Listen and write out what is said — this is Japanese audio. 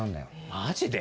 マジで？